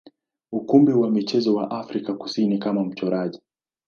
ukumbi wa michezo wa Afrika Kusini kama mchoraji.